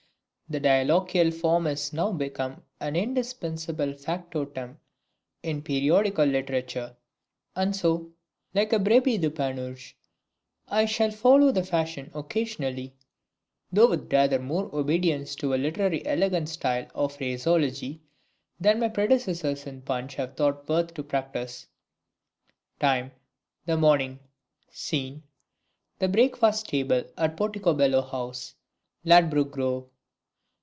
_ The dialoquial form is now become an indispensible factotum in periodical literature, and so, like a brebis de Panurge, I shall follow the fashion occasionally, though with rather more obedience to a literary elegant style of phraseology than my predecessors in Punch have thought worth to practise. Time: the other morning. Scene: the breakfast table at Porticobello House, Ladbroke Grove.